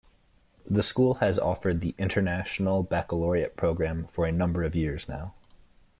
The school has offered the International Baccalaureate program for a number of years now.